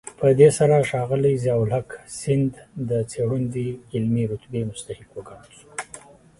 په دې سره ښاغلی ضياءالحق سیند د څېړندوی علمي رتبې مستحق وګڼل شو.